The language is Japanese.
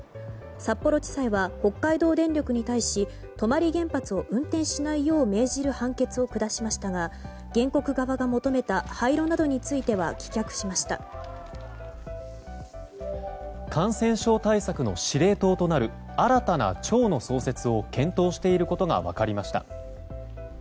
札幌地裁は北海道電力に対し泊原発を運転しないよう命じる判決を下しましたが原告側が求めた廃炉などについては感染症対策の司令塔となる新たな庁の創設を検討していることが分かりました。